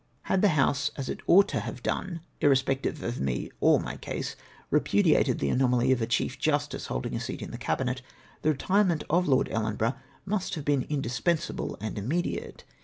Had the House, as it ought to have done, irrespective of me or my case, repudiated the anomaly of a Chief Justice Injlding a seat in the Cabinet, the retirement of Lord Ellenborough must have been indis pensable and immediate.